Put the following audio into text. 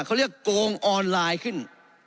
เขาเรียกโกงออนไลน์ขึ้น